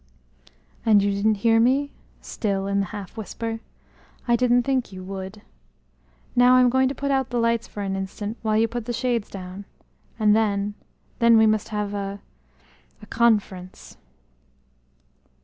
"And you didn't hear me?" still in the half whisper. "I didn't think you would. Now I'm going to put out the lights for an instant, while you pull the shades down, and then then we must have a a conference."